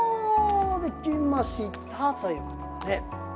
できましたということだね。